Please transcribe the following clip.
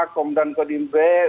komdan kodim b